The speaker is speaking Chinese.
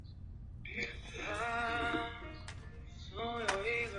高码乡原属湖南省资兴市所辖乡。